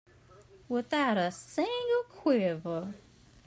Without a single quiver.